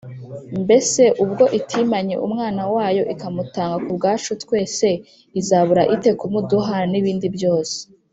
Mbese ubwo itimanye Umwana wayo, ikamutanga ku bwacu twese, izabura ite kumuduhana n'ibindi byose?